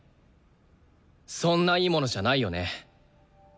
そんないいものじゃないよね。